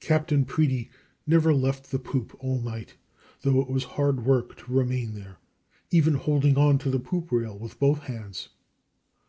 Captain Preedy never left the poop all night, though it was hard work to remain there, even holding on to the poop rail with both hands.